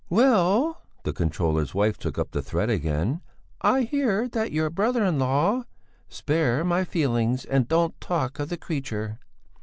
"Well," the controller's wife took up the thread again, "I hear that your brother in law...." "Spare my feelings and don't talk of the creature!"